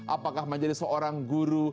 apakah menjadi seorang guru